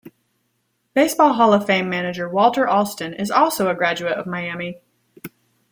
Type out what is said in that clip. Baseball Hall of Fame manager Walter Alston is also a graduate of Miami.